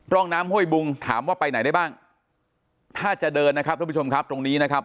ร่องน้ำห้วยบุงถามว่าไปไหนได้บ้างถ้าจะเดินนะครับทุกผู้ชมครับตรงนี้นะครับ